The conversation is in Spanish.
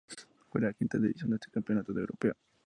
Fue la quinta edición de este campeonato europeo.